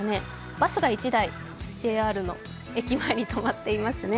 バスが１台、ＪＲの駅前に止まっていますね。